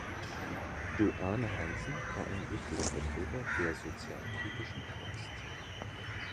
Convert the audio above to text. Duane Hanson war ein wichtiger Vertreter der sozialkritischen Kunst.